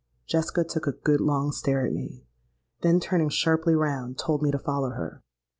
Jessica took a good long stare at me, then turning sharply round, told me to follow her.